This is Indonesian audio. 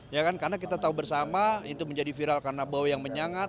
ya kan karena kita tahu bersama itu menjadi viral karena bau yang menyangat